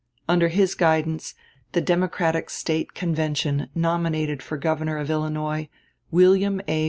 Under his guidance, the Democratic State Convention nominated for Governor of Illinois William A.